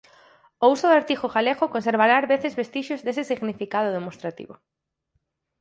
O uso do artigo galego conserva ás veces vestixios dese significado demostrativo.